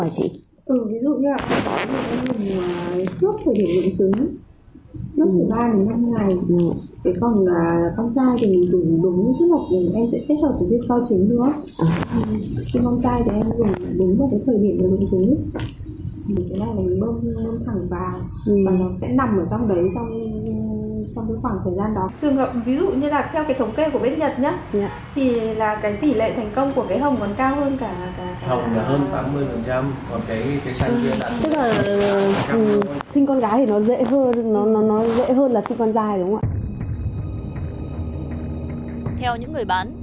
theo những người bán